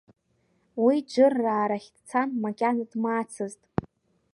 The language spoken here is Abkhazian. Уи Џырраа рахь дцан, макьана дмаацызт.